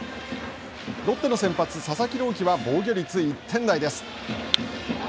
ロッテの先発佐々木朗希は防御率１点台です。